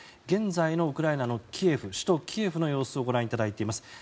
現在のウクライナの首都キエフの様子をご覧いただいています。